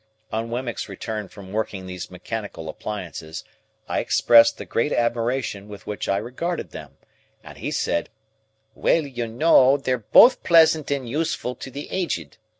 On Wemmick's return from working these mechanical appliances, I expressed the great admiration with which I regarded them, and he said, "Well, you know, they're both pleasant and useful to the Aged.